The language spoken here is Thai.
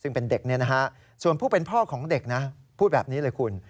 ซึ่งเป็นเด็กเนี่ยนะฮะส่วนผู้เป็นพ่อของเด็กนะพูดแบบนี้เลยคุณ